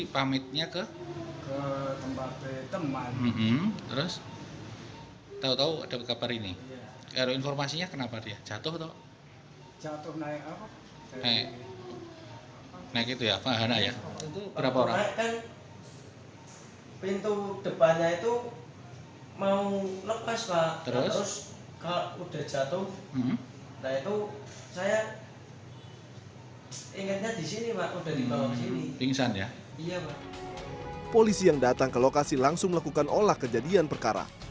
polisi yang datang ke lokasi langsung melakukan olah kejadian perkara